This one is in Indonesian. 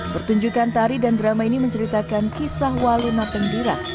pertunjukan tari dan drama ini menceritakan kisah waluna tenggiran